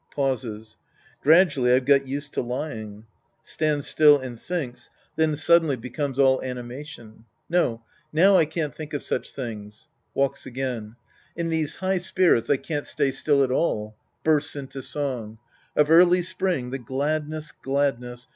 {Pauses.) Gradually I've got used^to lying {Stands still and thinks, then suddenly becomes Sc. I The Priest and His Disciples 135 ail animation.) No, now I can't think of such things, {Walks again.) In these high_s^rits, I can't stay still at all. {Bursts into song.) "^'^" Of early spring the gladness, gladness